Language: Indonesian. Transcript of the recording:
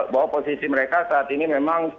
bahwa posisi mereka saat ini memang